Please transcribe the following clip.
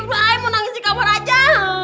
buah ayo nangis di kamar aja